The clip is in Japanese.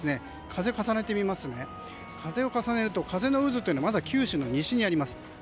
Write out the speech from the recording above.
風を重ねてみますと風の渦っていうのはまだ九州の西にあります。